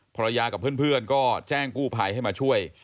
ภรรยากับเพื่อนก็แจ้งกู้ไพรให้มาช่วย